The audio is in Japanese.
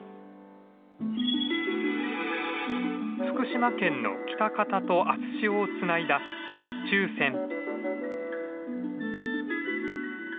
福島県の喜多方と熱塩をつないだ日中線。